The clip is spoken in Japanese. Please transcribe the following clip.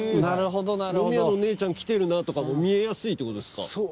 なるほどなるほど飲み屋の姉ちゃん来てるなとかも見えやすいってことですか？